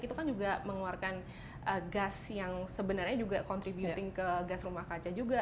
itu kan juga mengeluarkan gas yang sebenarnya juga contributing ke gas rumah kaca juga